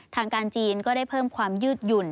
ทางการจีนก็ได้เพิ่มความยืดหยุ่น